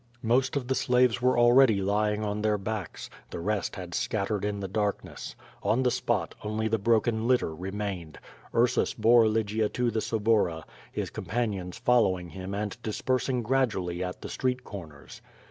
Most of the slaves were already lying on their backs. The rest had scattered in the darkness. On the spot only the broken litter remained. Ursus bore Lygia to the Suburra, his companions following him and dispersing gradually at the street corners.